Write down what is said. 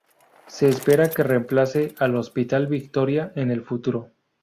Se espera que reemplace al Hospital Victoria en el futuro.